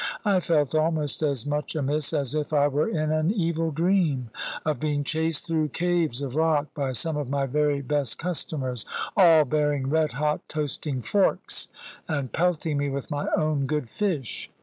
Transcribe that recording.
I felt almost as much amiss as if I were in an evil dream of being chased through caves of rock by some of my very best customers, all bearing red hot toasting forks, and pelting me with my own good fish.